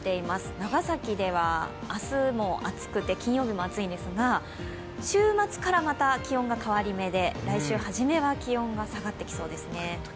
長崎では明日も暑くて金曜日も暑いんですが、週末から、また気温が変わり目で来週はじめは気温が下がってきそうですね。